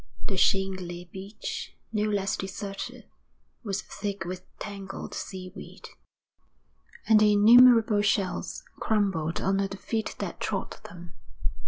The shingly beach, no less deserted, was thick with tangled seaweed, and the innumerable shells crumbled under the feet that trod them.